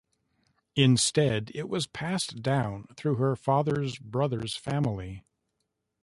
Instead, it was passed down through her father's brother's family.